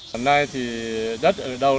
hôm nay thì đất ở đâu